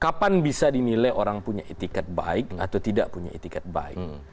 kapan bisa dinilai orang punya etikat baik atau tidak punya etikat baik